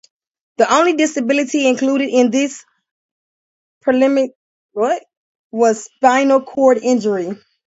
The only disability included in these Paralympics was spinal cord injury.